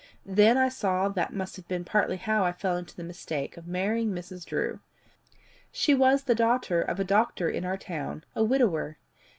Then I saw that must have been partly how I fell into the mistake of marrying Mrs. Drew. She was the daughter of a doctor in our town, a widower.